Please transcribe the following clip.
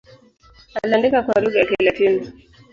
Aliandika kwa lugha ya Kilatini.